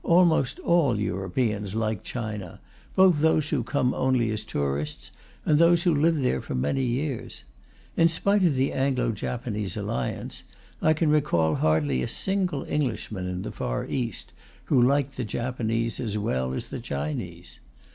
Almost all Europeans like China, both those who come only as tourists and those who live there for many years. In spite of the Anglo Japanese Alliance, I can recall hardly a single Englishman in the Far East who liked the Japanese as well as the Chinese.